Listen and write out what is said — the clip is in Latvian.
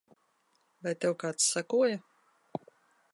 Vai tev kāds sekoja?